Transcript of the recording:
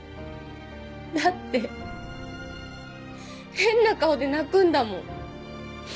だって変な顔で泣くんだもん。